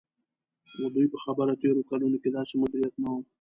د دوی په خبره تېرو کلونو کې داسې مدیریت نه و.